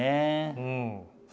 うん。